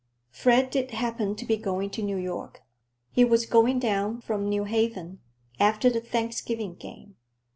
Fred did happen to be going to New York. He was going down from New Haven, after the Thanksgiving game.